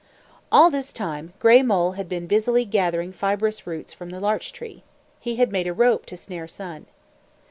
All this time, Gray Mole had been busily gathering fibrous roots from the larch tree. He had made a rope to snare Sun.